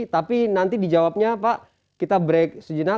tapi nanti dijawabnya pak kita break sejenak